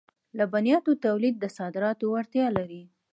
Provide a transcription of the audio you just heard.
د لبنیاتو تولیدات د صادراتو وړتیا لري.